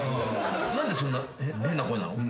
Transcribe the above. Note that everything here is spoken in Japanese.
何でそんな変な声なの？